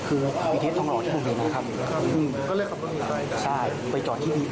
คือปีเทศทองหล่อที่ผมอยู่นั้นครับอืมใช่ไปจอดที่ปี